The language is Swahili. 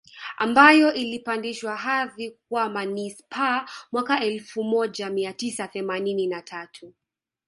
Ambayo ilipandishwa hadhi kuwa Manispaa mwaka elfu moja mia tisa themanini na tatu